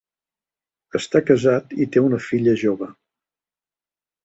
Està casat i té una filla jove.